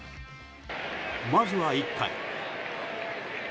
まずは１回。